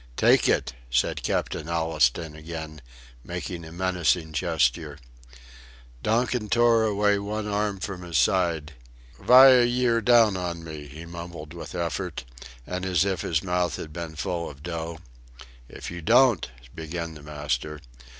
"Take it," said Captain Allistoun again, making a menacing gesture. Donkin tore away one arm from his side. "Vy are yer down on me?" he mumbled with effort and as if his mouth had been full of dough. "If you don't..." began the master.